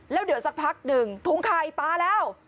แล้วเดี๋ยวสักพักหนึ่งถุงไข่ปลาแล้ว